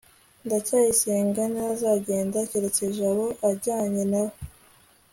ndacyayisenga ntazagenda keretse jabo ajyanye na we